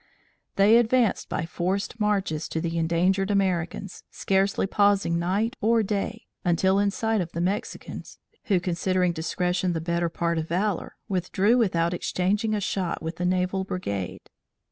They advanced by forced marches to the endangered Americans, scarcely pausing night or day, until in sight of the Mexicans, who considering discretion the better part of valor, withdrew without exchanging a shot with the naval brigade.